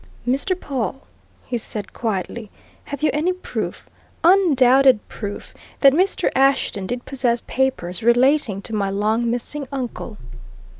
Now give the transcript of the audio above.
"Mr. Pawle," he said quietly, "have you any proof undoubted proof that Mr. Ashton did possess papers relating to my long missing uncle?"